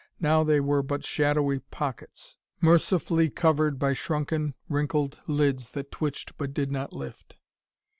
Now they were but shadowy pockets, mercifully covered by shrunken, wrinkled lids that twitched but did not lift.